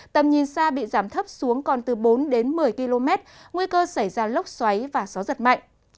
tầm nhìn xa bị giảm thấp xuống còn từ bốn đến một mươi km nguy cơ xảy ra lốc xoáy và gió giật mạnh